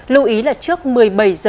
lưu ý là trước một mươi bảy h